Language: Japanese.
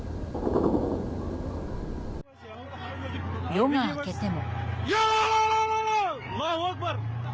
夜が明けても。